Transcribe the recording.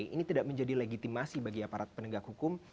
ini tidak menjadi legitimasi bagi aparat penegak hukum